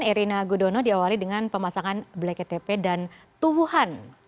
erina gudono diawali dengan pemasangan bleket tp dan tubuhan